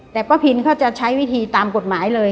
แต่ป้าพินเขาจะใช้วิธีตามกฎหมายเลย